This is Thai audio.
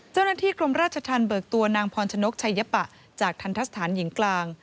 เจ้าหน้าที่กรมราชธรรมเบิกตัวนางพรชนกชัยปะจากทันทะสถานหญิงกลาง